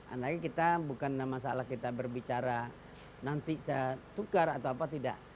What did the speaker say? apalagi kita bukan masalah kita berbicara nanti saya tukar atau apa tidak